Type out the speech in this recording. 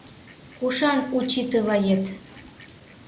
— Кушан учитывает?